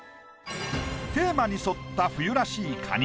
テーマに沿った冬らしいカニ。